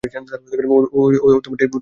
ও ঠিকভাবে কথা বলতে জানে?